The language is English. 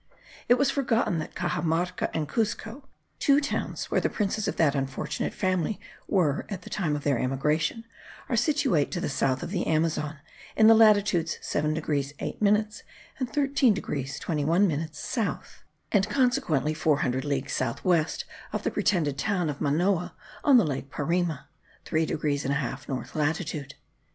It was forgotten that Caxamarca and Cuzco, two towns where the princes of that unfortunate family were at the time of their emigration, are situate to the south of the Amazon, in the latitudes seven degrees eight minutes, and thirteen degrees twenty one minutes south, and consequently four hundred leagues south west of the pretended town of Manoa on the lake Parima (three degrees and a half north latitude).